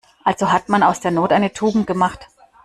Also hat man aus der Not eine Tugend gemacht.